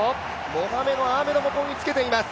モハメド・アーメドもこぎつけています。